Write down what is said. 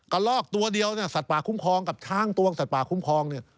ลอกตัวเดียวเนี่ยสัตว์ป่าคุ้มครองกับช้างตัวสัตว์ป่าคุ้มครองเนี่ย